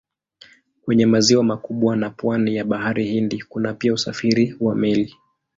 Kwenye maziwa makubwa na pwani ya Bahari Hindi kuna pia usafiri wa meli.